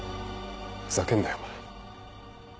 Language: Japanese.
ふざけんなよお前。